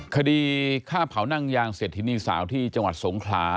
คดีฆ่าเผานั่งยางเศรษฐินีสาวที่จังหวัดสงขลา